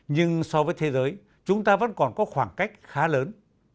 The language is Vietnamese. nhưng so với thế giới chúng ta vẫn còn có khoảng cách khá lớn